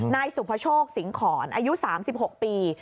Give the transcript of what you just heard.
นายสุขพชกศิงขรอายุ๓๖ปี